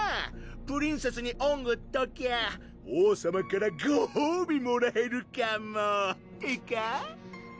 プリンセスに恩売っときゃ王さまからご褒美もらえるかもってか？